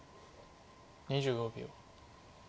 ２５秒。